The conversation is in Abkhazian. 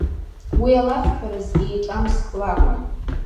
Уи алафҳәараз еиҿамск лакәын.